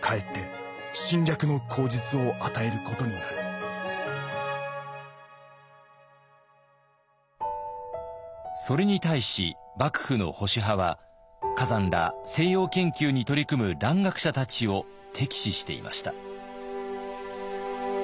世界の現状から見てそれに対し幕府の保守派は崋山ら西洋研究に取り組む蘭学者たちを敵視していました。